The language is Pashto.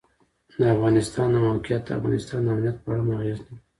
د افغانستان د موقعیت د افغانستان د امنیت په اړه هم اغېز لري.